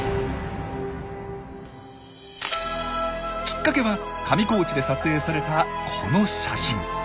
きっかけは上高地で撮影されたこの写真。